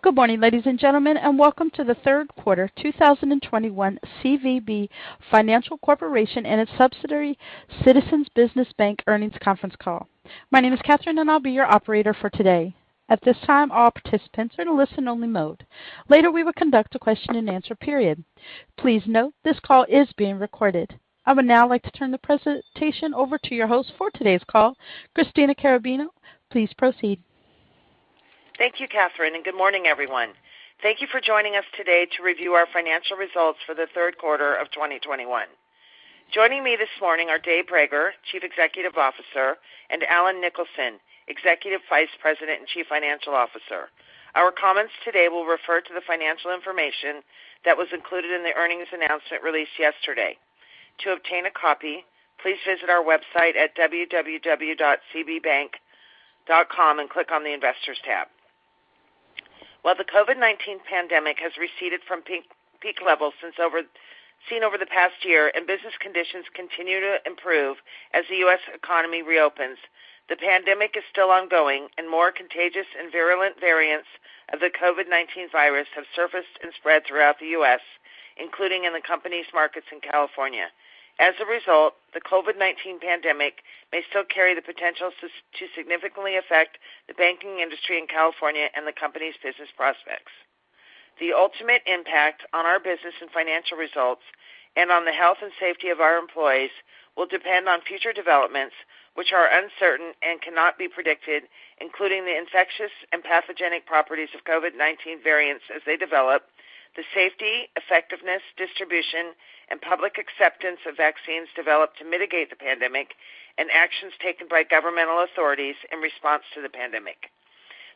Good morning, ladies and gentlemen, and welcome to the third quarter 2021 CVB Financial Corporation and its subsidiary, Citizens Business Bank earnings conference call. My name is Catherine, and I'll be your operator for today. At this time, all participants are in a listen-only mode. Later, we will conduct a question-and-answer period. Please note this call is being recorded. I would now like to turn the presentation over to your host for today's call, Christina Carrabino. Please proceed. Thank you, Catherine, and good morning, everyone. Thank you for joining us today to review our financial results for the third quarter of 2021. Joining me this morning are Dave Brager, Chief Executive Officer, and Allen Nicholson, Executive Vice President and Chief Financial Officer. Our comments today will refer to the financial information that was included in the earnings announcement released yesterday. To obtain a copy, please visit our website at www.cbbank.com and click on the Investors tab. While the COVID-19 pandemic has receded from peak levels seen over the past year and business conditions continue to improve as the U.S. economy reopens, the pandemic is still ongoing and more contagious and virulent variants of the COVID-19 virus have surfaced and spread throughout the U.S., including in the company's markets in California. As a result, the COVID-19 pandemic may still carry the potential to significantly affect the banking industry in California and the company's business prospects. The ultimate impact on our business and financial results and on the health and safety of our employees will depend on future developments, which are uncertain and cannot be predicted, including the infectious and pathogenic properties of COVID-19 variants as they develop, the safety, effectiveness, distribution, and public acceptance of vaccines developed to mitigate the pandemic and actions taken by governmental authorities in response to the pandemic.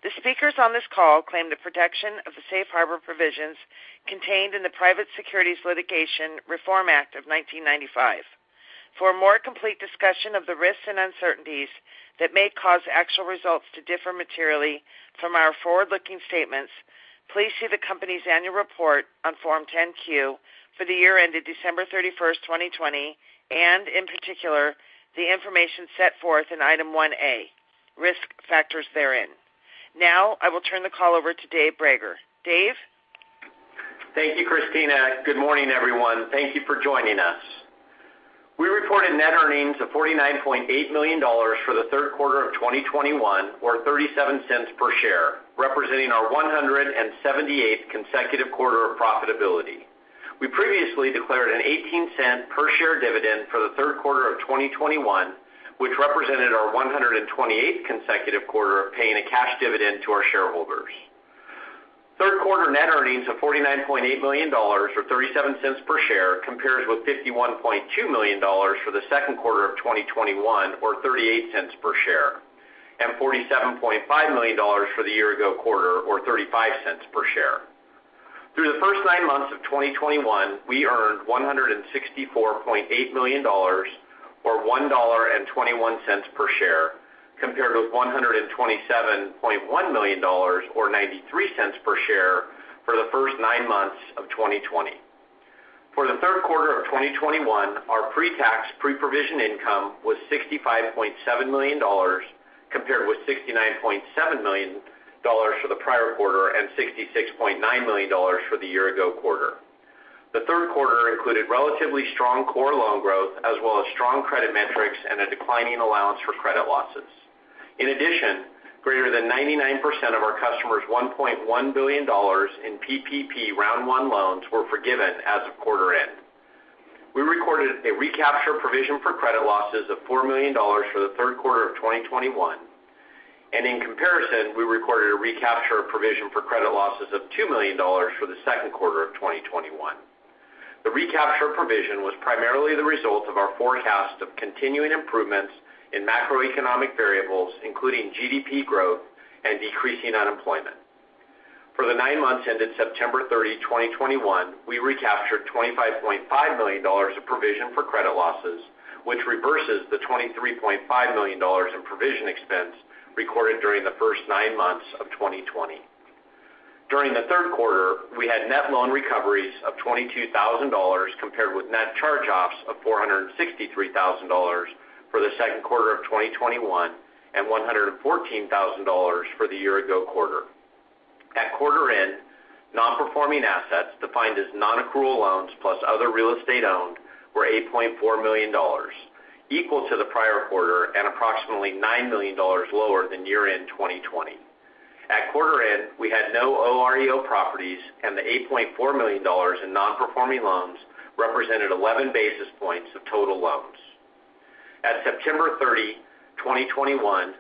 The speakers on this call claim the protection of the Safe Harbor provisions contained in the Private Securities Litigation Reform Act of 1995. For a more complete discussion of the risks and uncertainties that may cause actual results to differ materially from our forward-looking statements, please see the company's annual report on Form 10-Q for the year ended December 31st, 2020, and in particular, the information set forth in Item 1A, Risk Factors therein. I will turn the call over to Dave Brager. Dave? Thank you, Christina. Good morning, everyone. Thank you for joining us. We reported net earnings of $49.8 million for the third quarter of 2021, or $0.37 per share, representing our 178th consecutive quarter of profitability. We previously declared an $0.18 per share dividend for the third quarter of 2021, which represented our 128th consecutive quarter of paying a cash dividend to our shareholders. Third quarter net earnings of $49.8 million or $0.37 per share compares with $51.2 million for the second quarter of 2021 or $0.38 per share, and $47.5 million for the year-ago quarter, or $0.35 per share. Through the first nine months of 2021, we earned $164.8 million or $1.21 per share, compared with $127.1 million or $0.93 per share for the first nine months of 2020. For the third quarter of 2021, our pre-tax, pre-provision income was $65.7 million, compared with $69.7 million for the prior quarter and $66.9 million for the year ago quarter. The third quarter included relatively strong core loan growth as well as strong credit metrics and a declining allowance for credit losses. In addition, greater than 99% of our customers' $1.1 billion in PPP Round 1 loans were forgiven as of quarter end. We recorded a recapture provision for credit losses of $4 million for the third quarter of 2021. In comparison, we recorded a recapture of provision for credit losses of $2 million for the second quarter of 2021. The recapture provision was primarily the result of our forecast of continuing improvements in macroeconomic variables, including GDP growth and decreasing unemployment. For the nine months ended September 30, 2021, we recaptured $25.5 million of provision for credit losses, which reverses the $23.5 million in provision expense recorded during the first nine months of 2020. During the third quarter, we had net loan recoveries of $22,000 compared with net charge-offs of $463,000 for the second quarter of 2021 and $114,000 for the year ago quarter. At quarter end, non-performing assets, defined as non-accrual loans plus other real estate owned, were $8.4 million, equal to the prior quarter and approximately $9 million lower than year-end 2020. At quarter end, we had no OREO properties and the $8.4 million in non-performing loans represented 11 basis points of total loans. At September 30, 2021,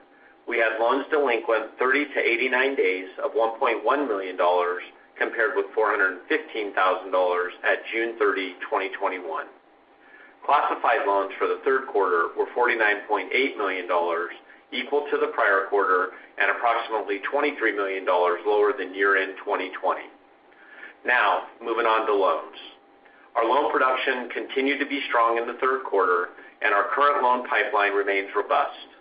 we had loans delinquent 30 to 89 days of $1.1 million, compared with $415,000 at June 30, 2021. Classified loans for the third quarter were $49.8 million equal to the prior quarter and approximately $23 million lower than year-end 2020. Now moving on to loans. Our loan production continued to be strong in the third quarter and our current loan pipeline remains robust.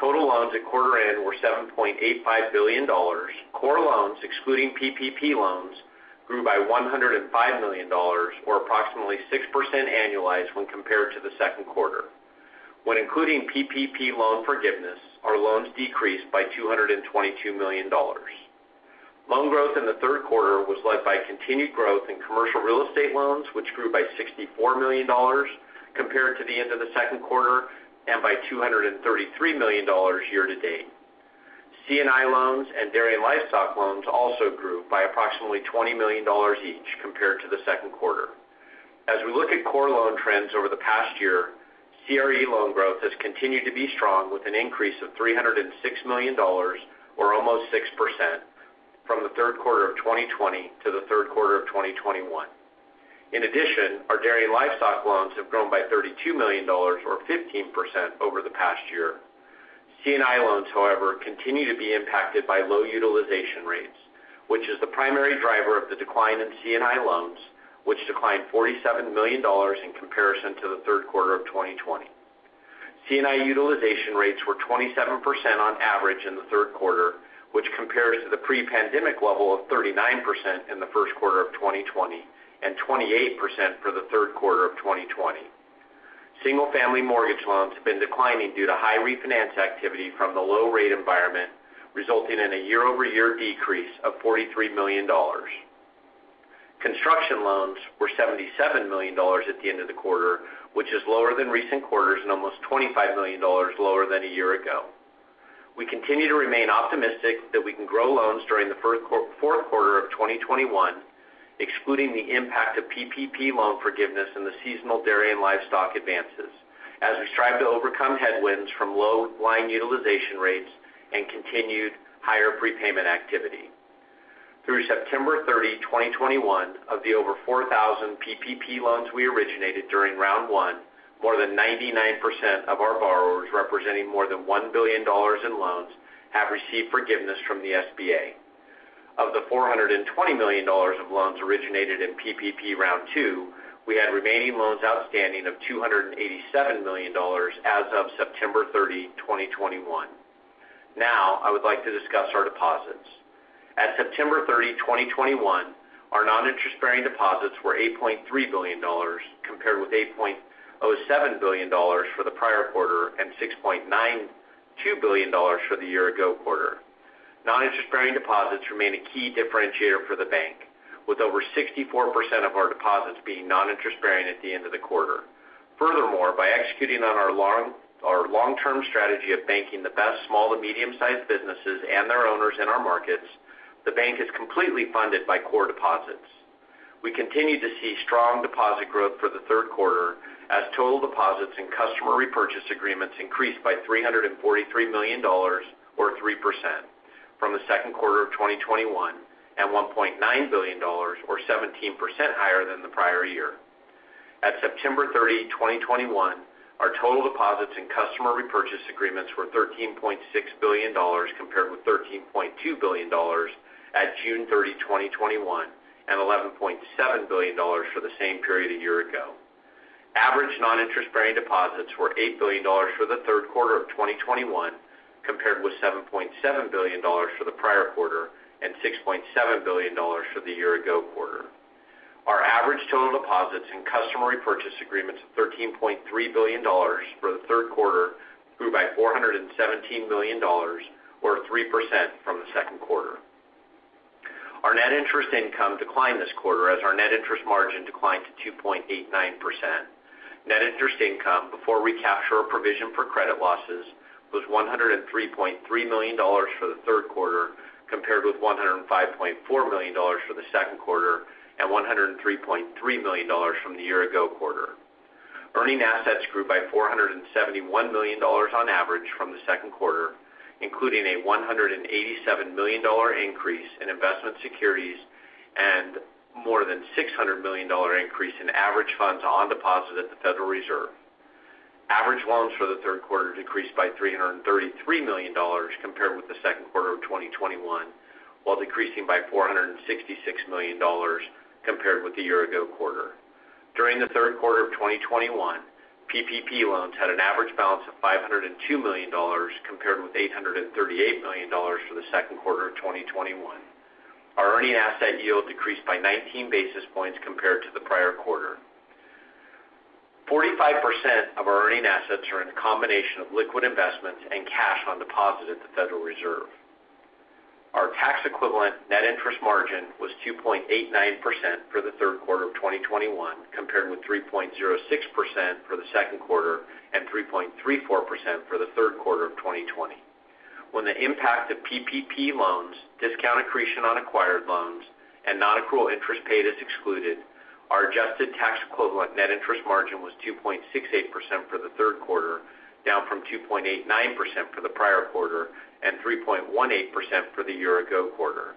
Total loans at quarter end were $7.85 billion. Core loans excluding PPP loans grew by $105 million or approximately 6% annualized when compared to the second quarter. When including PPP loan forgiveness, our loans decreased by $222 million. Loan growth in the third quarter was led by continued growth in commercial real estate loans, which grew by $64 million compared to the end of the second quarter and by $233 million year-to-date. C&I loans and dairy and livestock loans also grew by approximately $20 million each compared to the second quarter. As we look at core loan trends over the past year, CRE loan growth has continued to be strong, with an increase of $306 million, or almost 6%, from the third quarter of 2020 to the third quarter of 2021. Our dairy and livestock loans have grown by $32 million, or 15%, over the past year. C&I loans, however, continue to be impacted by low utilization rates, which is the primary driver of the decline in C&I loans, which declined $47 million in comparison to the third quarter of 2020. C&I utilization rates were 27% on average in the third quarter, which compares to the pre-pandemic level of 39% in the first quarter of 2020 and 28% for the third quarter of 2020. Single-family mortgage loans have been declining due to high refinance activity from the low rate environment, resulting in a year-over-year decrease of $43 million. Construction loans were $77 million at the end of the quarter, which is lower than recent quarters and almost $25 million lower than a year ago. We continue to remain optimistic that we can grow loans during the fourth quarter of 2021, excluding the impact of PPP loan forgiveness and the seasonal dairy and livestock advances as we strive to overcome headwinds from low line utilization rates and continued higher prepayment activity. Through September 30, 2021, of the over 4,000 PPP loans we originated during Round 1, more than 99% of our borrowers, representing more than $1 billion in loans, have received forgiveness from the SBA. Of the $420 million of loans originated in PPP Round 2, we had remaining loans outstanding of $287 million as of September 30, 2021. Now, I would like to discuss our deposits. At September 30, 2021, our non-interest-bearing deposits were $8.3 billion, compared with $8.07 billion for the prior quarter and $6.92 billion for the year-ago quarter. Non-interest-bearing deposits remain a key differentiator for the bank, with over 64% of our deposits being non-interest-bearing at the end of the quarter. Furthermore, by executing on our long-term strategy of banking the best small to medium-sized businesses and their owners in our markets, the bank is completely funded by core deposits. We continue to see strong deposit growth for the third quarter as total deposits and customer repurchase agreements increased by $343 million, or 3%, from the second quarter of 2021, and $1.9 billion or 17% higher than the prior year. At September 30, 2021, our total deposits and customer repurchase agreements were $13.6 billion, compared with $13.2 billion at June 30, 2021, and $11.7 billion for the same period a year ago. Average non-interest-bearing deposits were $8 billion for the third quarter of 2021, compared with $7.7 billion for the prior quarter and $6.7 billion for the year-ago quarter. Our average total deposits and customer repurchase agreements of $13.3 billion for the third quarter grew by $417 million, or 3%, from the second quarter. Our net interest income declined this quarter as our net interest margin declined to 2.89%. Net interest income before recapture or provision for credit losses was $103.3 million for the third quarter, compared with $105.4 million for the second quarter and $103.3 million from the year-ago quarter. Earning assets grew by $471 million on average from the second quarter, including a $187 million increase in investment securities and more than a $600 million increase in average funds on deposit at the Federal Reserve. Average loans for the third quarter decreased by $333 million compared with the second quarter of 2021, while decreasing by $466 million compared with the year-ago quarter. During the third quarter of 2021, PPP loans had an average balance of $502 million, compared with $838 million for the second quarter of 2021. Our earning asset yield decreased by 19 basis points compared to the prior quarter. 45% of our earning assets are in a combination of liquid investments and cash on deposit at the Federal Reserve. Our tax-equivalent net interest margin was 2.89% for the third quarter of 2021, compared with 3.06% for the second quarter and 3.34% for the third quarter of 2020. When the impact of PPP loans, discount accretion on acquired loans, and nonaccrual interest paid is excluded, our adjusted tax-equivalent net interest margin was 2.68% for the third quarter, down from 2.89% for the prior quarter and 3.18% for the year-ago quarter.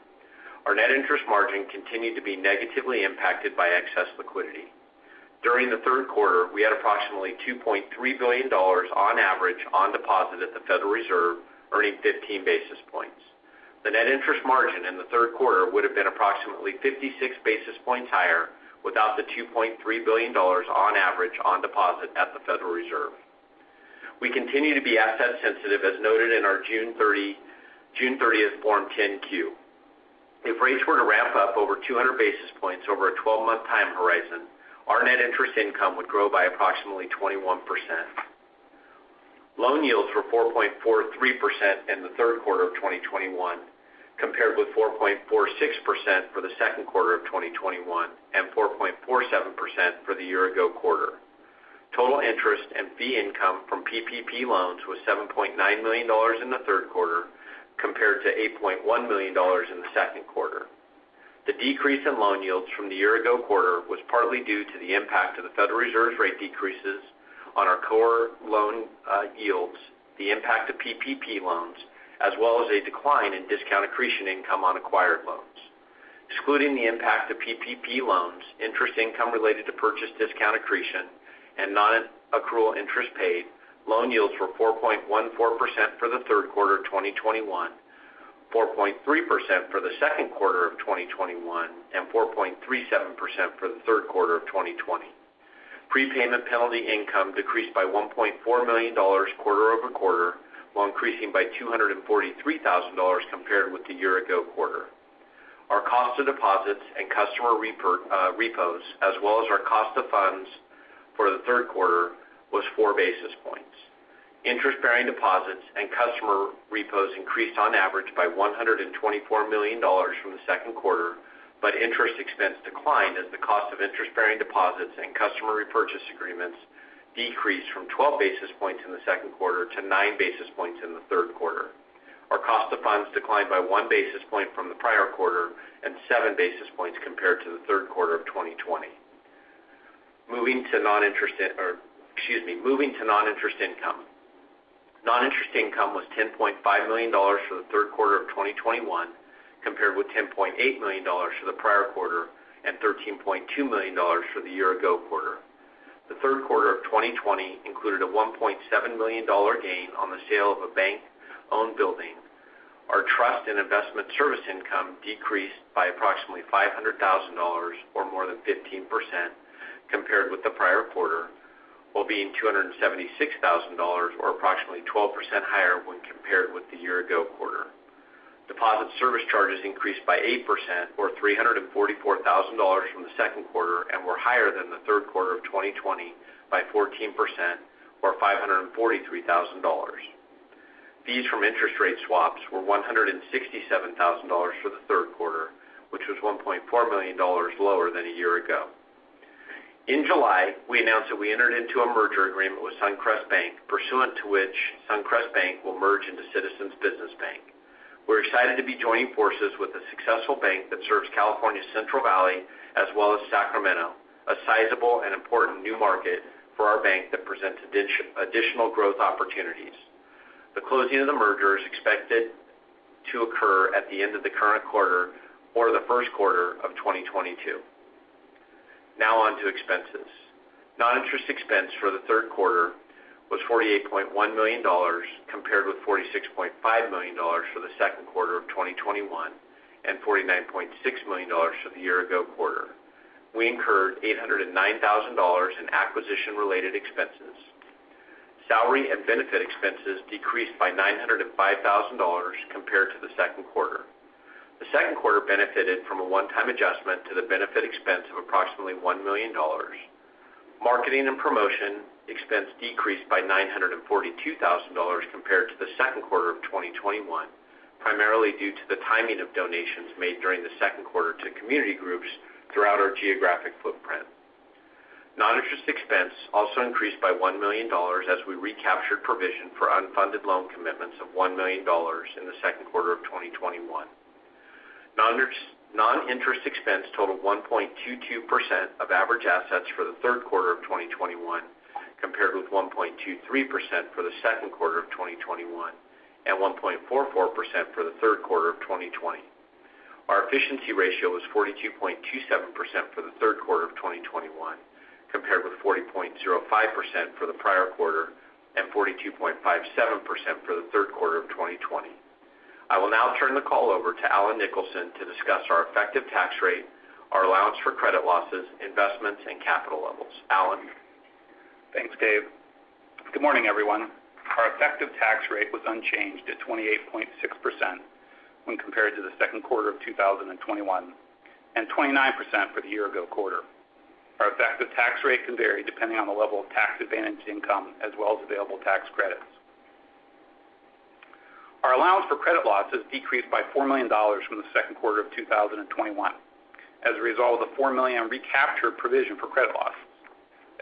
Our net interest margin continued to be negatively impacted by excess liquidity. During the third quarter, we had approximately $2.3 billion on average on deposit at the Federal Reserve, earning 15 basis points. The net interest margin in the third quarter would have been approximately 56 basis points higher without the $2.3 billion on average on deposit at the Federal Reserve. We continue to be asset sensitive, as noted in our June 30th Form 10-Q. If rates were to ramp up over 200 basis points over a 12-month time horizon, our net interest income would grow by approximately 21%. Loan yields were 4.43% in the third quarter of 2021, compared with 4.46% for the second quarter of 2021 and 4.47% for the year ago quarter. Total interest and fee income from PPP loans was $7.9 million in the third quarter, compared to $8.1 million in the second quarter. The decrease in loan yields from the year ago quarter was partly due to the impact of the Federal Reserve rate decreases on our core loan yields, the impact of PPP loans, as well as a decline in discount accretion income on acquired loans. Excluding the impact of PPP loans, interest income related to purchase discount accretion, and non-accrual interest paid, loan yields were 4.14% for the third quarter 2021, 4.3% for the second quarter of 2021, and 4.37% for the third quarter of 2020. Prepayment penalty income decreased by $1.4 million quarter-over-quarter, while increasing by $243,000 compared with the year ago quarter. Our cost of deposits and customer repos, as well as our cost of funds for the third quarter, was four basis points. Interest-bearing deposits and customer repos increased on average by $124 million from the second quarter, interest expense declined as the cost of interest-bearing deposits and customer repurchase agreements decreased from 12 basis points in the second quarter to nine basis points in the third quarter. Our cost of funds declined by one basis point from the prior quarter and seven basis points compared to the third quarter of 2020. Moving to non-interest income. Non-interest income was $10.5 million for the third quarter of 2021, compared with $10.8 million for the prior quarter and $13.2 million for the year ago quarter. The third quarter of 2020 included a $1.7 million gain on the sale of a bank-owned building. Our trust and investment service income decreased by approximately $500,000, or more than 15%, compared with the prior quarter, while being $276,000, or approximately 12% higher when compared with the year ago quarter. Deposit service charges increased by 8%, or $344,000 from the second quarter and were higher than the third quarter of 2020 by 14%, or $543,000. Fees from interest rate swaps were $167,000 for the third quarter, which was $1.4 million lower than a year ago. In July, we announced that we entered into a merger agreement with Suncrest Bank, pursuant to which Suncrest Bank will merge into Citizens Business Bank. We're excited to be joining forces with a successful bank that serves California's Central Valley as well as Sacramento, a sizable and important new market for our bank that presents additional growth opportunities. The closing of the merger is expected to occur at the end of the current quarter or the first quarter of 2022. On to expenses. Non-interest expense for the third quarter was $48.1 million, compared with $46.5 million for the second quarter of 2021 and $49.6 million for the year ago quarter. We incurred $809,000 in acquisition-related expenses. Salary and benefit expenses decreased by $905,000 compared to the second quarter. The second quarter benefited from a one-time adjustment to the benefit expense of approximately $1 million. Marketing and promotion expense decreased by $942,000 compared to the second quarter of 2021, primarily due to the timing of donations made during the second quarter to community groups throughout our geographic footprint. Non-interest expense also increased by $1 million as we recaptured provision for unfunded loan commitments of $1 million in the second quarter of 2021. Non-interest expense totaled 1.22% of average assets for the third quarter of 2021, compared with 1.23% for the second quarter of 2021 and 1.44% for the third quarter of 2020. Our efficiency ratio was 42.27% for the third quarter of 2021, compared with 40.05% for the prior quarter and 42.57% for the third quarter of 2020. I will now turn the call over to Allen Nicholson to discuss our effective tax rate, our allowance for credit losses, investments, and capital levels. Allen? Thanks, Dave. Good morning, everyone. Our effective tax rate was unchanged at 28.6% when compared to the second quarter of 2021, and 29% for the year ago quarter. Our effective tax rate can vary depending on the level of tax advantage income as well as available tax credits. Our allowance for credit losses decreased by $4 million from the second quarter of 2021 as a result of the $4 million recaptured provision for credit losses.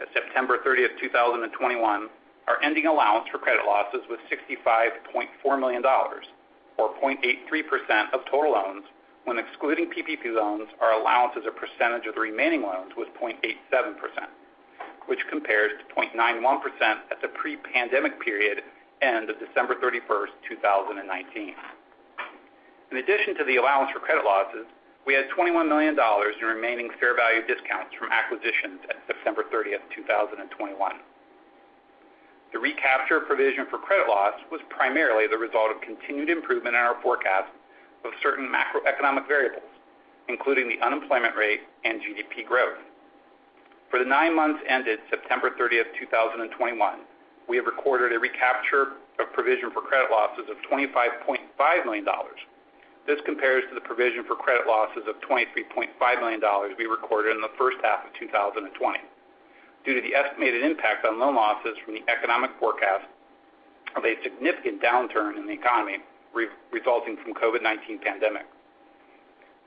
At September 30th, 2021, our ending allowance for credit losses was $65.4 million, or 0.83% of total loans. When excluding PPP loans, our allowance as a percentage of the remaining loans was 0.87%, which compares to 0.91% at the pre-pandemic period end of December 31st, 2019. In addition to the allowance for credit losses, we had $21 million in remaining fair value discounts from acquisitions at September 30th, 2021. The recapture of provision for credit loss was primarily the result of continued improvement in our forecast of certain macroeconomic variables, including the unemployment rate and GDP growth. For the nine months ended September 30th, 2021, we have recorded a recapture of provision for credit losses of $25.5 million. This compares to the provision for credit losses of $23.5 million we recorded in the first half of 2020 due to the estimated impact on loan losses from the economic forecast of a significant downturn in the economy resulting from COVID-19 pandemic.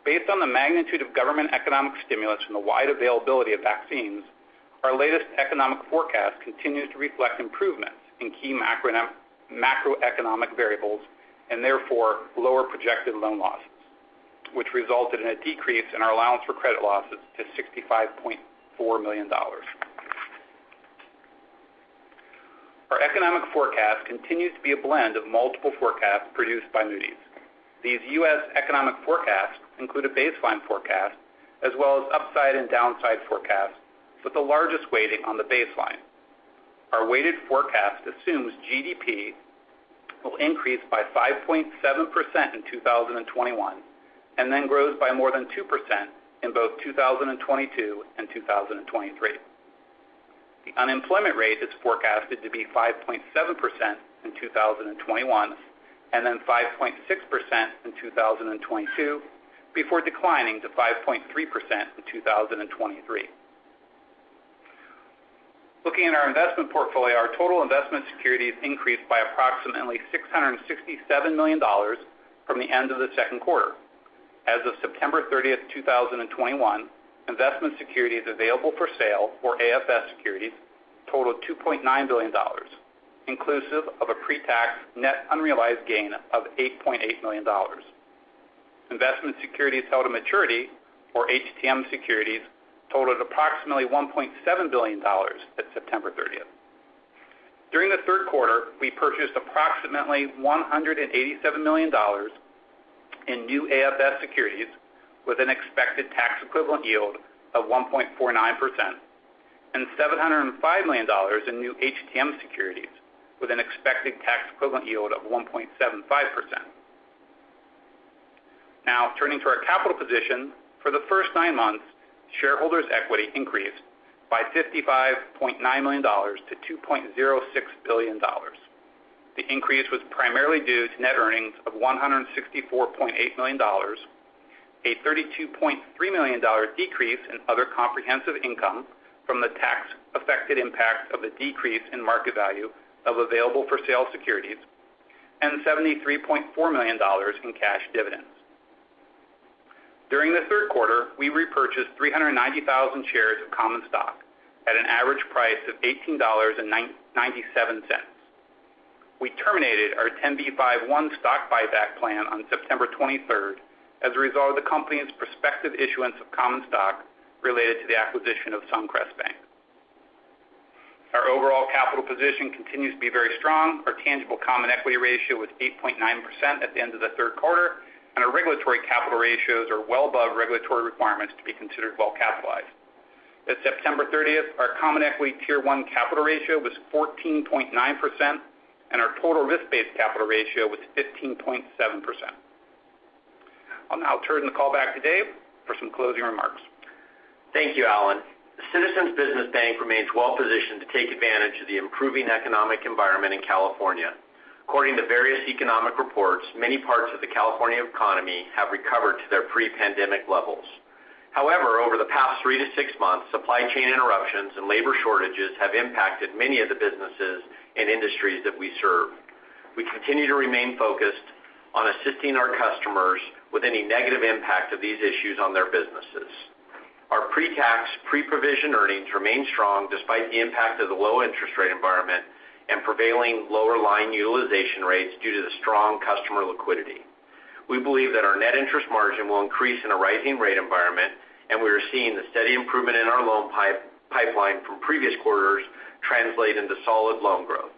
Based on the magnitude of government economic stimulus and the wide availability of vaccines, our latest economic forecast continues to reflect improvements in key macroeconomic variables, and therefore lower projected loan losses, which resulted in a decrease in our allowance for credit losses to $65.4 million. Our economic forecast continues to be a blend of multiple forecasts produced by Moody's. These U.S. economic forecasts include a baseline forecast as well as upside and downside forecasts, with the largest weighting on the baseline. Our weighted forecast assumes GDP will increase by 5.7% in 2021, and then grows by more than 2% in both 2022 and 2023. The unemployment rate is forecasted to be 5.7% in 2021, and then 5.6% in 2022, before declining to 5.3% in 2023. Looking at our investment portfolio, our total investment securities increased by approximately $667 million from the end of the second quarter. As of September 30th, 2021, investment securities available for sale, or AFS securities, totaled $2.9 billion, inclusive of a pre-tax net unrealized gain of $8.8 million. Investment securities held to maturity, or HTM securities, totaled approximately $1.7 billion at September 30th. During the third quarter, we purchased approximately $187 million in new AFS securities with an expected tax-equivalent yield of 1.49%, and $705 million in new HTM securities with an expected tax-equivalent yield of 1.75%. Turning to our capital position. For the first nine months, shareholders' equity increased by $55.9 million to $2.06 billion. The increase was primarily due to net earnings of $164.8 million, a $32.3 million decrease in other comprehensive income from the tax affected impact of the decrease in market value of available for sale securities, and $73.4 million in cash dividends. During the third quarter, we repurchased 390,000 shares of common stock at an average price of $18.97. We terminated our 10b5-1 stock buyback plan on September 23rd as a result of the company's prospective issuance of common stock related to the acquisition of Suncrest Bank. Our overall capital position continues to be very strong. Our tangible common equity ratio was 8.9% at the end of the third quarter, and our regulatory capital ratios are well above regulatory requirements to be considered well capitalized. At September 30th, our Common Equity Tier 1 capital ratio was 14.9%, and our total risk-based capital ratio was 15.7%. I'll now turn the call back to Dave for some closing remarks. Thank you, Allen. Citizens Business Bank remains well positioned to take advantage of the improving economic environment in California. However, over the past three to six months, supply chain interruptions and labor shortages have impacted many of the businesses and industries that we serve. We continue to remain focused on assisting our customers with any negative impact of these issues on their businesses. Our pre-tax, pre-provision earnings remain strong despite the impact of the low interest rate environment and prevailing lower line utilization rates due to the strong customer liquidity. We believe that our net interest margin will increase in a rising rate environment, and we are seeing the steady improvement in our loan pipeline from previous quarters translate into solid loan growth.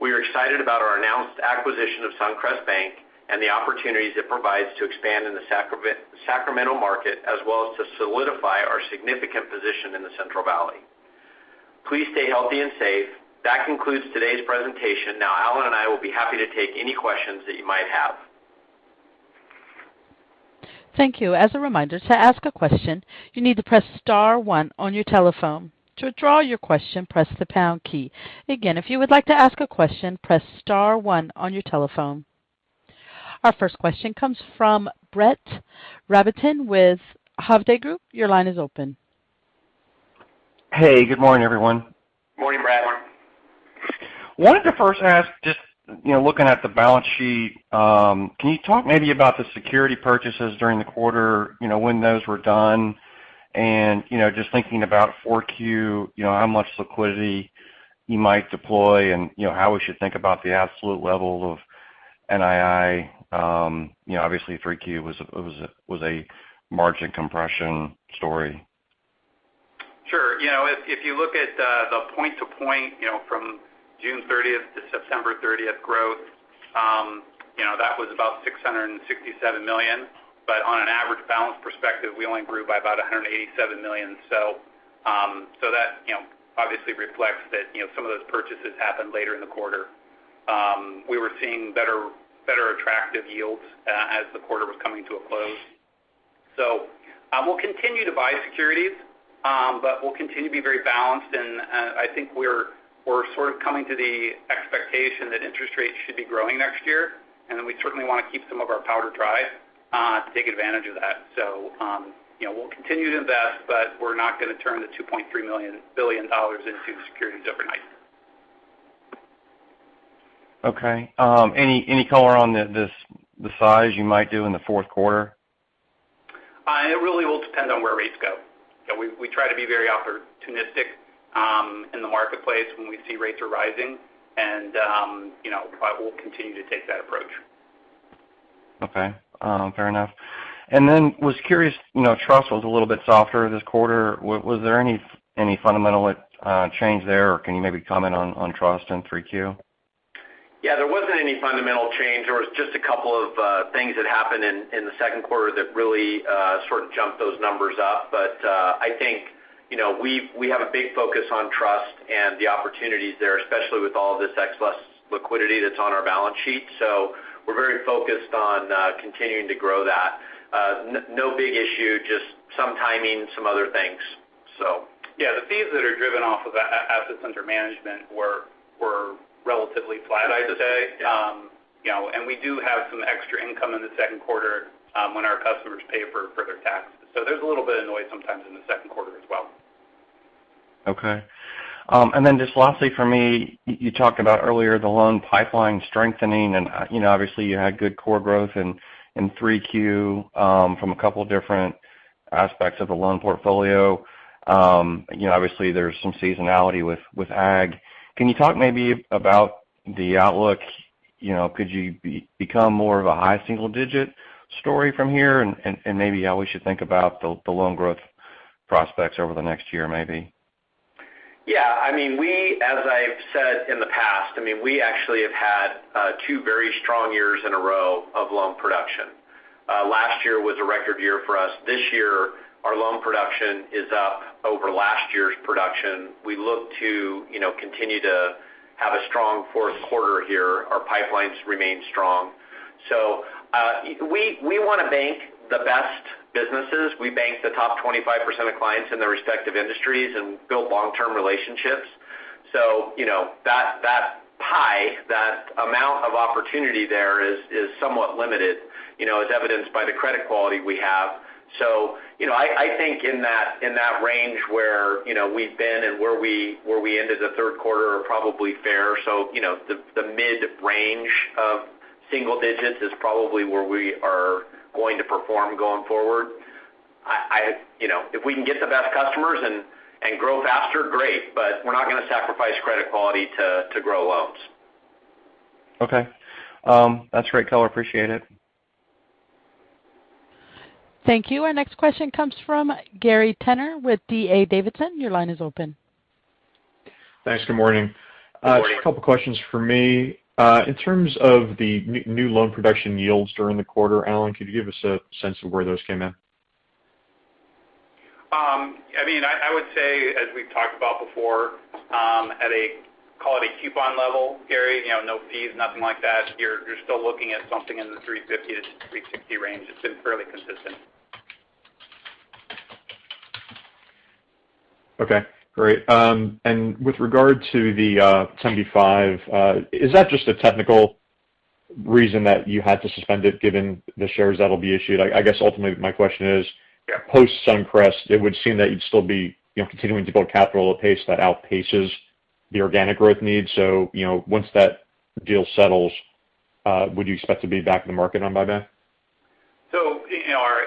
We are excited about our announced acquisition of Suncrest Bank and the opportunities it provides to expand in the Sacramento market, as well as to solidify our significant position in the Central Valley. Please stay healthy and safe. That concludes today's presentation. Now, Allen and I will be happy to take any questions that you might have. Thank you. As a reminder, to ask a question, you need to press star one on your telephone. To withdraw your question, press the pound key. Again, if you would like to ask a question, press star one on your telephone. Our first question comes from Brett Rabatin with Hovde Group. Your line is open. Hey, good morning, everyone. Morning, Brett. Morning. Wanted to first ask, just looking at the balance sheet, can you talk maybe about the security purchases during the quarter, when those were done? Just thinking about 4Q, how much liquidity you might deploy, and how we should think about the absolute level of NII? Obviously, 3Q was a margin compression story. Sure. If you look at the point to point from June 30th to September 30th growth, that was about $667 million. On an average balance perspective, we only grew by about $187 million. That obviously reflects that some of those purchases happened later in the quarter. We were seeing better attractive yields as the quarter was coming to a close. We'll continue to buy securities, but we'll continue to be very balanced. I think we're sort of coming to the expectation that interest rates should be growing next year, and then we certainly want to keep some of our powder dry to take advantage of that. We'll continue to invest, but we're not going to turn the $2.3 billion into securities overnight. Okay. Any color on the size you might do in the fourth quarter? It really will depend on where rates go. We try to be very opportunistic in the marketplace when we see rates are rising, and we'll continue to take that approach. Okay. Fair enough. I was curious, on Trust was a little bit softer this quarter. Was there any fundamental change there, or can you maybe comment on Trust in 3Q? There wasn't any fundamental change. There was just a couple of things that happened in the second quarter that really sort of jumped those numbers up. I think we have a big focus on trust and the opportunities there, especially with all of this excess liquidity that's on our balance sheet. We're very focused on continuing to grow that. No big issue, just some timing, some other things. Yeah, the fees that are driven off of assets under management were relatively flat, I'd say. We do have some extra income in the second quarter when our customers pay for their taxes. There's a little bit of noise sometimes in the second quarter as well. Okay. Just lastly for me, you talked about earlier the loan pipeline strengthening, obviously you had good core growth in 3Q from a couple different aspects of the loan portfolio. Obviously there's some seasonality with ag. Can you talk maybe about the outlook? Could you become more of a high single-digit story from here? Maybe how we should think about the loan growth prospects over the next year, maybe. Yeah. As I've said in the past, we actually have had two very strong years in a row of loan production. Last year was a record year for us. This year, our loan production is up over last year's production. We look to continue to have a strong fourth quarter here. Our pipelines remain strong. We want to bank the best businesses. We bank the top 25% of clients in their respective industries and build long-term relationships. That pie, that amount of opportunity there is somewhat limited as evidenced by the credit quality we have. I think in that range where we've been and where we ended the third quarter are probably fair. The mid-range of single digits is probably where we are going to perform going forward. If we can get the best customers and grow faster, great, but we're not going to sacrifice credit quality to grow loans. Okay. That's great color. Appreciate it. Thank you. Our next question comes from Gary Tenner with D.A. Davidson. Your line is open. Thanks. Good morning. Good morning. Just a couple questions for me. In terms of the new loan production yields during the quarter, Allen, could you give us a sense of where those came in? I would say, as we've talked about before, call it a coupon level, Gary, no fees, nothing like that. You're still looking at something in the 350-360 range. It's been fairly consistent. Okay, great. With regard to the 10b5, is that just a technical reason that you had to suspend it given the shares that'll be issued? I guess ultimately my question is post-Suncrest, it would seem that you'd still be continuing to build capital at a pace that outpaces the organic growth needs. Once that deal settles, would you expect to be back in the market on buyback?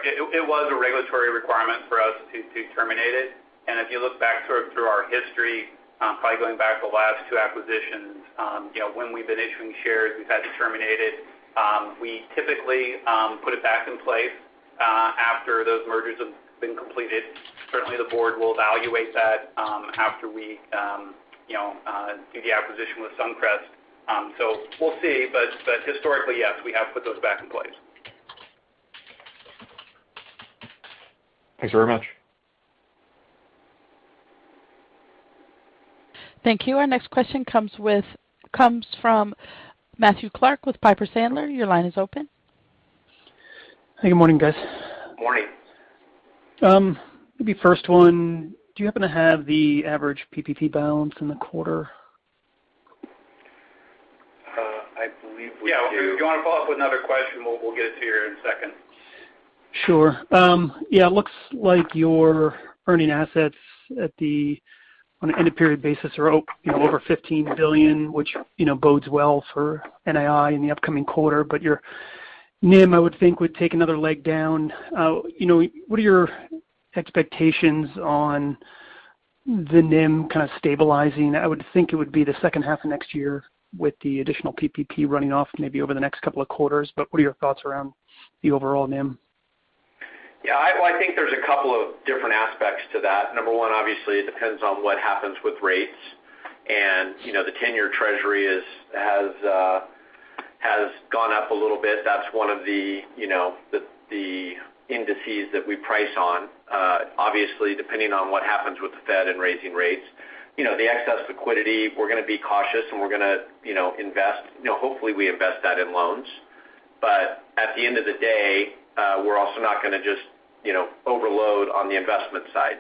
It was a regulatory requirement for us to terminate it. If you look back through our history, probably going back the last two acquisitions, when we've been issuing shares, we've had to terminate it. We typically put it back in place after those mergers have been completed. Certainly, the board will evaluate that after we do the acquisition with Suncrest. We'll see, but historically, yes, we have put those back in place. Thanks very much. Thank you. Our next question comes from Matthew Clark with Piper Sandler. Your line is open. Good morning, guys. Morning. Maybe first one, do you happen to have the average PPP balance in the quarter? I believe we do. Yeah. If you want to follow up with another question, we'll get it to you in a second. Sure. It looks like your earning assets on an end-of-period basis are over $15 billion, which bodes well for NII in the upcoming quarter. Your NIM, I would think, would take another leg down. What are your expectations on the NIM kind of stabilizing? I would think it would be the second half of next year with the additional PPP running off maybe over the next couple of quarters. What are your thoughts around the overall NIM? Yeah. I think there's a couple of different aspects to that. Number one, obviously, it depends on what happens with rates, and the 10-year Treasury has up a little bit. That's one of the indices that we price on. Obviously, depending on what happens with the Fed and raising rates. The excess liquidity, we're going to be cautious, and we're going to invest. Hopefully, we invest that in loans. At the end of the day, we're also not going to just overload on the investment side.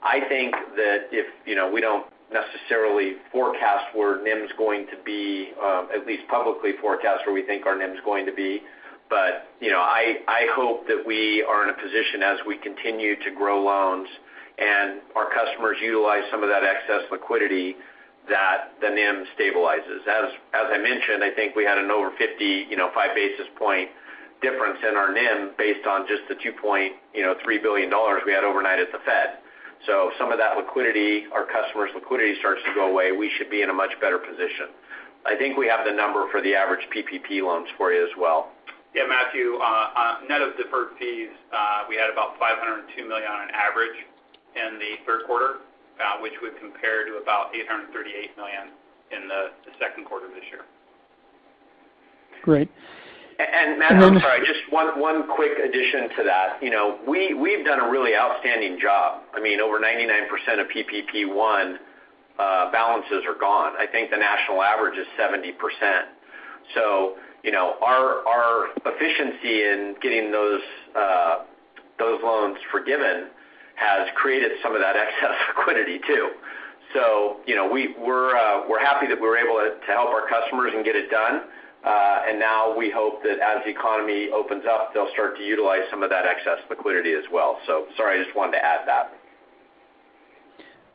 I think that if we don't necessarily forecast where NIM's going to be, at least publicly forecast where we think our NIM's going to be, but I hope that we are in a position as we continue to grow loans and our customers utilize some of that excess liquidity, that the NIM stabilizes. As I mentioned, I think we had an over 55 basis point difference in our NIM based on just the $2.3 billion we had overnight at the Fed. Some of that liquidity, our customer's liquidity starts to go away, we should be in a much better position. I think we have the number for the average PPP loans for you as well. Yeah, Matthew, net of deferred fees, we had about $502 million on average in the third quarter, which would compare to about $838 million in the second quarter of this year. Great. Matthew, sorry, just one quick addition to that. We've done a really outstanding job. Over 99% of PPP1 balances are gone. I think the national average is 70%. Our efficiency in getting those loans forgiven has created some of that excess liquidity, too. We're happy that we're able to help our customers and get it done. Now we hope that as the economy opens up, they'll start to utilize some of that excess liquidity as well. Sorry, I just wanted to add that.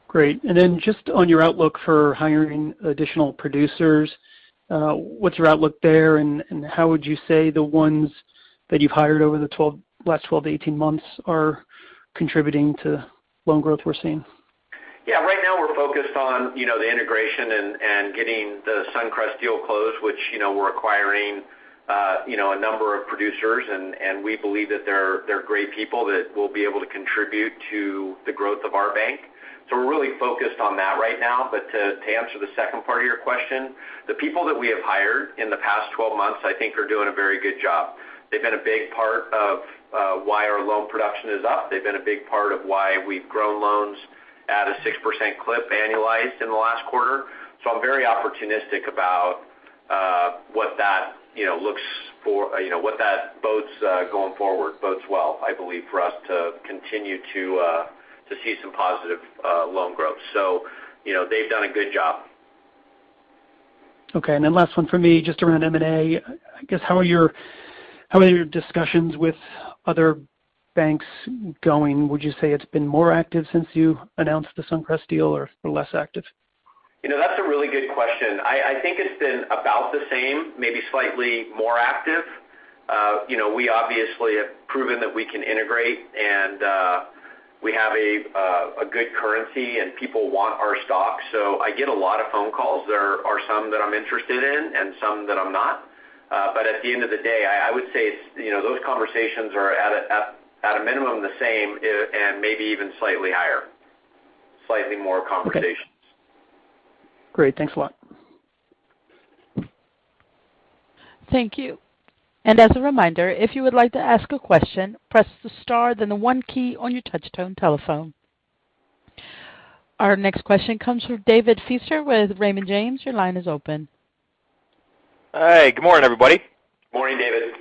Great. Just on your outlook for hiring additional producers, what's your outlook there and how would you say the ones that you've hired over the last 12 to 18 months are contributing to loan growth we're seeing? Yeah, right now we're focused on the integration and getting the Suncrest deal closed. We're acquiring a number of producers, and we believe that they're great people that will be able to contribute to the growth of our bank. We're really focused on that right now, but to answer the second part of your question, the people that we have hired in the past 12 months, I think, are doing a very good job. They've been a big part of why our loan production is up. They've been a big part of why we've grown loans at a 6% clip annualized in the last quarter. I'm very opportunistic about what that bodes going forward. Bodes well, I believe, for us to continue to see some positive loan growth. They've done a good job. Okay, last one from me, just around M&A. I guess, how are your discussions with other banks going? Would you say it's been more active since you announced the Suncrest deal or less active? That's a really good question. I think it's been about the same, maybe slightly more active. We obviously have proven that we can integrate, and we have a good currency, and people want our stock. I get a lot of phone calls. There are some that I'm interested in and some that I'm not. At the end of the day, I would say those conversations are at a minimum the same and maybe even slightly higher, slightly more conversations. Great. Thanks a lot. Thank you. Our next question comes from David Feaster with Raymond James. Your line is open. Hi, good morning, everybody. Morning, David.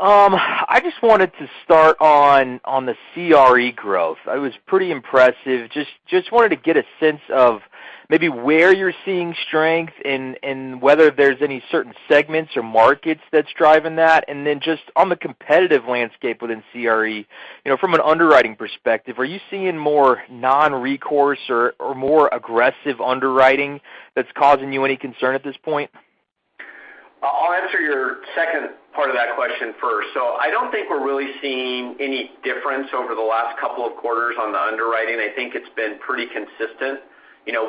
I just wanted to start on the CRE growth. It was pretty impressive. Just wanted to get a sense of maybe where you're seeing strength and whether there's any certain segments or markets that's driving that. Just on the competitive landscape within CRE, from an underwriting perspective, are you seeing more non-recourse or more aggressive underwriting that's causing you any concern at this point? I'll answer your second part of that question first. I don't think we're really seeing any difference over the last couple of quarters on the underwriting. I think it's been pretty consistent.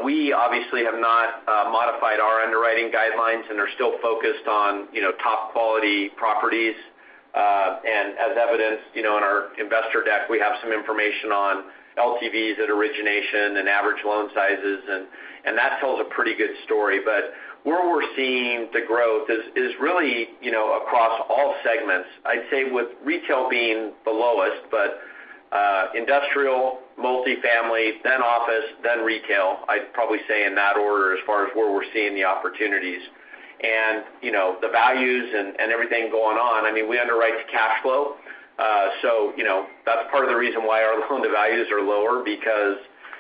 We obviously have not modified our underwriting guidelines and are still focused on top-quality properties. As evidenced in our investor deck, we have some information on LTVs at origination and average loan sizes, and that tells a pretty good story. Where we're seeing the growth is really across all segments. I'd say with retail being the lowest, but industrial, multifamily, then office, then retail. I'd probably say in that order as far as where we're seeing the opportunities. The values and everything going on, we underwrite to cash flow. That's part of the reason why our Loan-to-Value values are lower because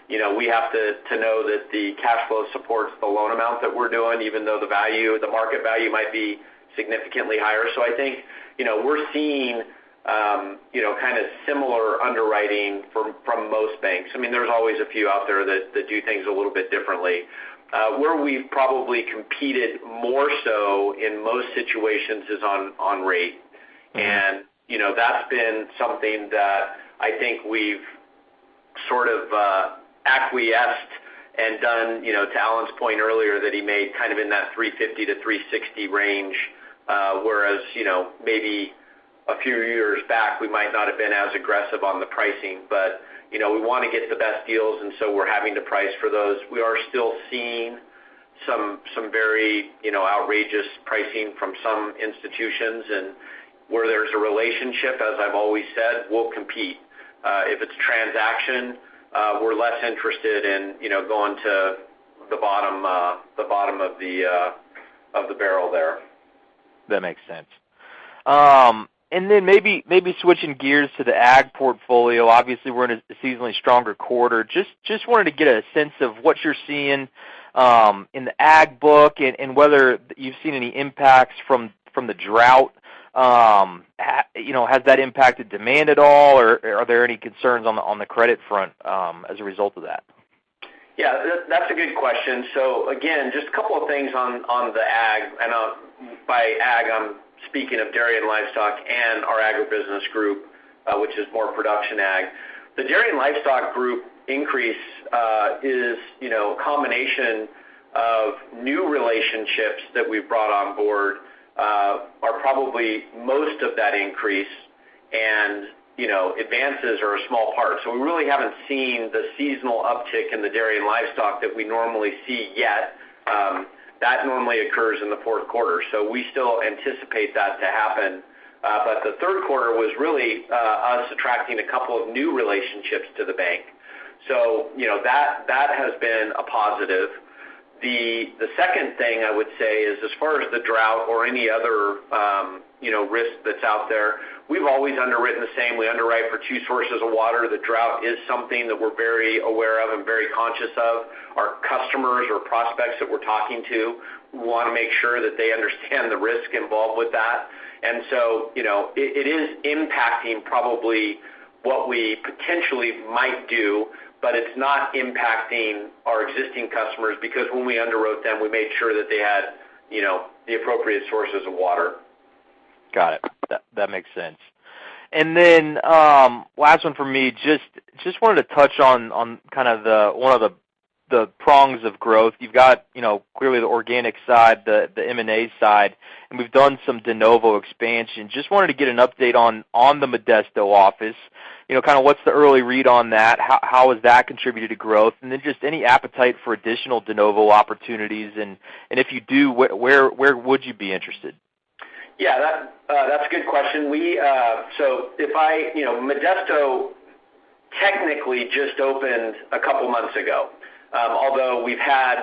we have to know that the cash flow supports the loan amount that we're doing, even though the market value might be significantly higher. I think we're seeing kind of similar underwriting from most banks. There's always a few out there that do things a little bit differently. Where we've probably competed more so in most situations is on rate. That's been something that I think we've sort of acquiesced and done, to Allen's point earlier that he made kind of in that 350 to 360 range. Maybe a few years back, we might not have been as aggressive on the pricing, but we want to get the best deals and so we're having to price for those. We are still seeing some very outrageous pricing from some institutions. Where there's a relationship, as I've always said, we'll compete. If it's a transaction, we're less interested in going to the bottom of the barrel there. That makes sense. Maybe switching gears to the ag portfolio. Obviously, we're in a seasonally stronger quarter. Just wanted to get a sense of what you're seeing in the ag book and whether you've seen any impacts from the drought. Has that impacted demand at all, or are there any concerns on the credit front as a result of that? Yeah, that's a good question. Again, just a couple of things on the ag. By ag, I'm speaking of dairy and livestock and our agribusiness group, which is more production ag. The dairy and livestock group increase is a combination of new relationships that we've brought on board are probably most of that increase, and advances are a small part. We really haven't seen the seasonal uptick in the dairy and livestock that we normally see yet. That normally occurs in the fourth quarter, so we still anticipate that to happen. The third quarter was really us attracting a couple of new relationships to the bank. That has been a positive. The second thing I would say is as far as the drought or any other risk that's out there, we've always underwritten the same. We underwrite for two sources of water. The drought is something that we're very aware of and very conscious of. Our customers or prospects that we're talking to, we want to make sure that they understand the risk involved with that. It is impacting probably what we potentially might do, but it's not impacting our existing customers because when we underwrote them, we made sure that they had the appropriate sources of water. Got it. That makes sense. Last one from me, just wanted to touch on kind of one of the prongs of growth. You've got clearly the organic side, the M&A side, and we've done some de novo expansion. Just wanted to get an update on the Modesto office. Kind of what's the early read on that? How has that contributed to growth? Just any appetite for additional de novo opportunities, and if you do, where would you be interested? Yeah, that's a good question. Modesto technically just opened a couple of months ago, although we've had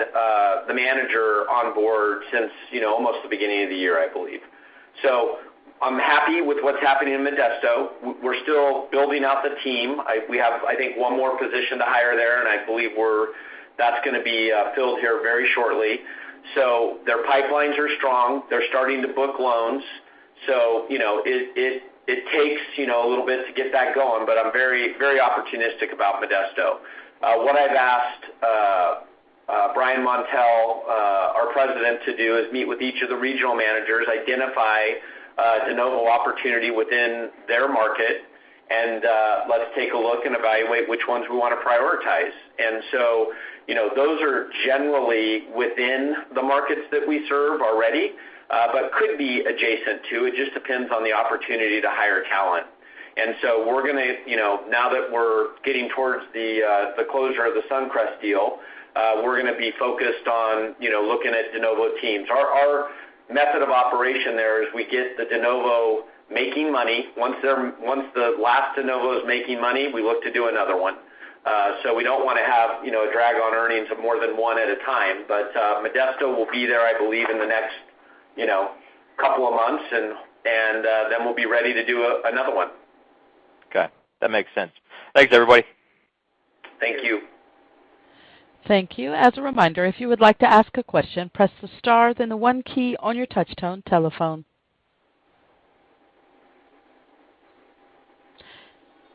the manager on board since almost the beginning of the year, I believe. I'm happy with what's happening in Modesto. We're still building out the team. We have, I think, one more position to hire there, and I believe that's going to be filled here very shortly. Their pipelines are strong. They're starting to book loans. It takes a little bit to get that going, but I'm very opportunistic about Modesto. What I've asked Brian Mauntel, our president, to do is meet with each of the regional managers, identify de novo opportunity within their market, and let's take a look and evaluate which ones we want to prioritize. Those are generally within the markets that we serve already. It could be adjacent too. It just depends on the opportunity to hire talent. Now that we're getting towards the closure of the Suncrest deal, we're going to be focused on looking at de novo teams. Our method of operation there is we get the de novo making money. Once the last de novo is making money, we look to do another one. We don't want to have a drag on earnings of more than one at a time. Modesto will be there, I believe, in the next couple of months, and then we'll be ready to do another one. Okay. That makes sense. Thanks, everybody. Thank you. Thank you. As a reminder, if you would like to ask a question, press the star then the one key on your touchtone telephone.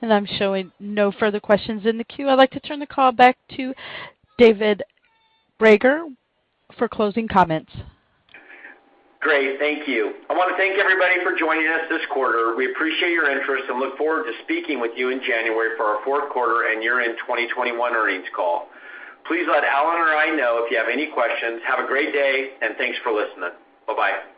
I'm showing no further questions in the queue. I'd like to turn the call back to David Brager for closing comments. Great. Thank you. I want to thank everybody for joining us this quarter. We appreciate your interest and look forward to speaking with you in January for our fourth quarter and year-end 2021 earnings call. Please let Allen or I know if you have any questions. Have a great day, and thanks for listening. Bye-bye.